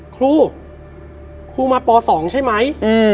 ครูครูมาป๒ใช่ไหม